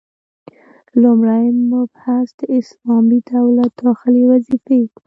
لومړی مبحث: د اسلامي دولت داخلي وظيفي: